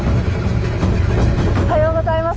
おはようございます。